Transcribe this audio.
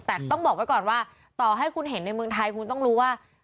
แต่ต้องบอกไว้ก่อนว่าต่อให้คุณเห็นในเมืองไทยคุณต้องรู้ว่า